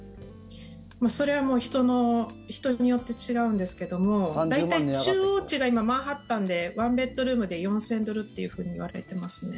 それは人によって違うんですけども大体、中央値が今マンハッタンで１ベッドルームで４０００ドルというふうに言われていますね。